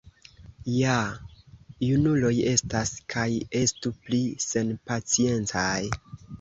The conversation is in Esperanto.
Ja junuloj estas kaj estu pli senpaciencaj.